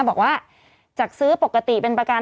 บอกว่าจากซื้อปกติเป็นประกัน